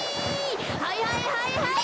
はいはいはいはい！